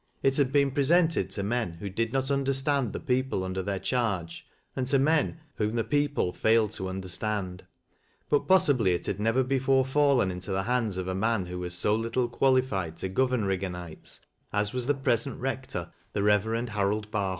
It had been presented to men who did not uu derstand the people under their charge, and to men whou> the people failed to understand ; but possibly it had never before fallen into the hands of a man who was so little qualified to govern Eigganites, as was the piesent rector, the Eeverend Harold Barholm.